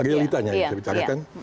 realitanya yang saya bicarakan